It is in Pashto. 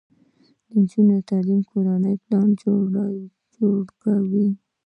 د نجونو تعلیم د کورنۍ پلان ښه کوي.